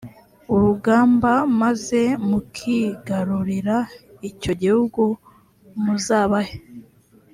urugamba h maze mukigarurira icyo gihugu muzabahe